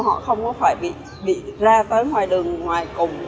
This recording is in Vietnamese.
họ không có phải bị ra tới ngoài đường ngoài cùng